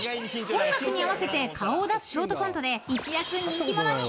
［音楽に合わせて顔を出すショートコントで一躍人気者に］